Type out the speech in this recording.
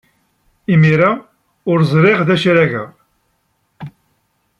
Imir-a ur ẓriɣ d acu ara geɣ.